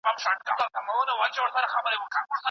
که څوک لټون ونه کړي نو حقیقت نه موندل کېږي.